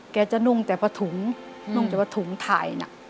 แกจะนุ่งแต่พอถุงนุ่งแต่ว่าถุงถ่ายน่ะ